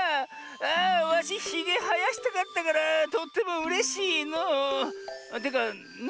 あわしひげはやしたかったからとってもうれしいのう。というかな